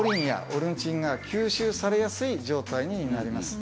オルニチンが吸収されやすい状態になります。